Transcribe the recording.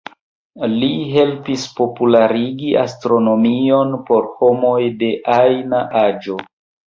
Li helpis popularigi astronomion por homoj de ajna aĝo.